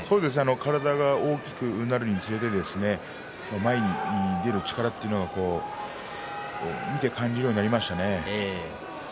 体が大きくなるにつれて前に出る力というのは見て感じるようになりましたね。